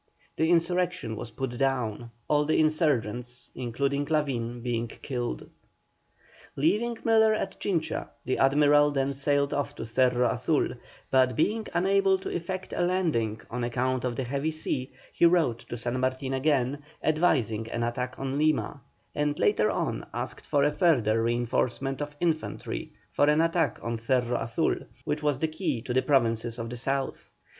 The insurrection was put down, all the insurgents, including Lavin, being killed. Leaving Miller at Chincha, the Admiral then sailed off to Cerro Azul, but being unable to effect a landing on account of the heavy sea, he wrote to San Martin again, advising an attack on Lima, and later on asked for a further reinforcement of infantry for an attack on Cerro Azul, which was the key to the provinces of the south.